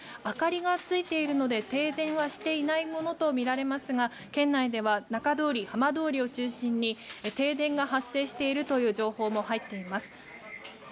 明かりがついているので停電はしていないと思われますが県内では中通り、浜通りを中心に停電が発生しているという情報も入っています。